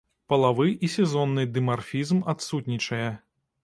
Палавы і сезонны дымарфізм адсутнічае.